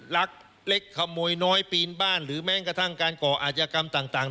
รักเล็กขโมยน้อยปีนบ้านหรือแม้กระทั่งการก่ออาจยากรรมต่าง